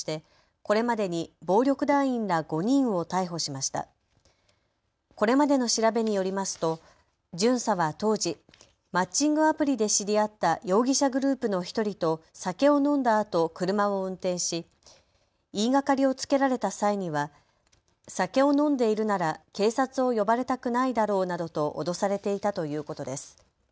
これまでの調べによりますと巡査は当時、マッチングアプリで知り合った容疑者グループの１人と酒を飲んだあと車を運転し言いがかりをつけられた際には酒を飲んでいるなら警察を呼ばれたくないだろうなどと脅されていたということです。